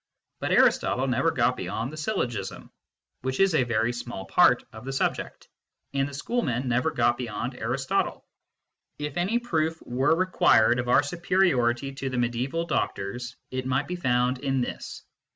But Aristotle never got beyond the syllogism, which is a very small part of the subject, and the schoolmen never got beyond Aristotle. If any proof were required of our superiority to the mediaeval doctors, it might be found in this.